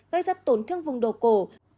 gây ra tổn thương vùng đầu cổ